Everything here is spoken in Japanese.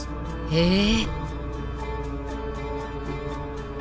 へえ。